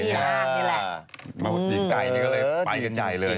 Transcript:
เรียนไกลก็เลยไปใจเลย